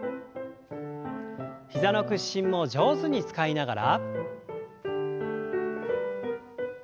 膝の屈伸も上手に使いながら。